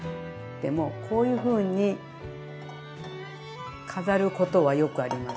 でもこういうふうに飾ることはよくあります